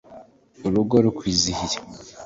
urugo rukwizihiye